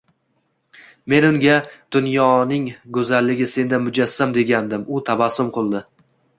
Men unga "Dunyoning % go'zalligi senda mujassam!" degandim. U tabassum qildi.